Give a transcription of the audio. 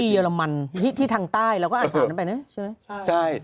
ที่เยอรมันที่ทางใต้เราก็อาจผ่านไปเนี่ยใช่ไหม